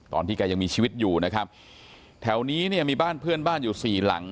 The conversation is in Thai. แกยังมีชีวิตอยู่นะครับแถวนี้เนี่ยมีบ้านเพื่อนบ้านอยู่สี่หลัง